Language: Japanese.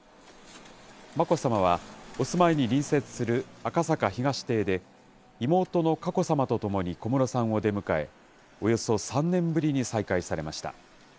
眞子さまはお住まいに隣接する赤坂東邸で、妹の佳子さまと共に小室さんを出迎え、およそ３年ぶりに再会されました。